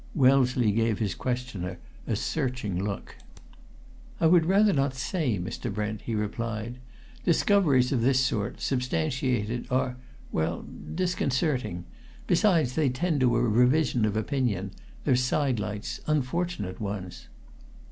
Wellesley gave his questioner a searching look. "I would rather not say, Mr. Brent," he replied. "Discoveries of this sort, substantiated, are well, disconcerting. Besides, they tend to a revision of opinion; they're sidelights unfortunate ones."